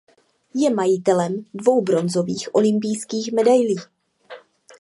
Je majitel dvou bronzových olympijských medailí.